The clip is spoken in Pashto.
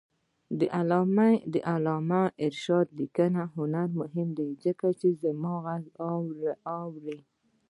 د علامه رشاد لیکنی هنر مهم دی ځکه چې زمانې غږ اوري.